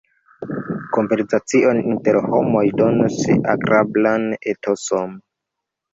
Konversacio inter homoj donos agrablan etoson.